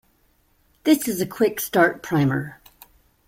This is a quick start primer.